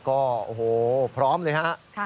ก็โอ้โหพร้อมเลยฮะ